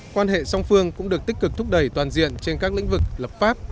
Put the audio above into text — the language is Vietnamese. quan hệ song phương cũng được tích cực thúc đẩy toàn diện trên các lĩnh vực lập pháp